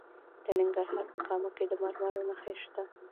د ننګرهار په کامه کې د مرمرو نښې شته.